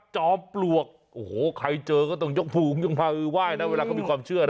จอมปลวกโอ้โหใครเจอก็ต้องยกภูมิยกพามือไหว้นะเวลาเขามีความเชื่อนะ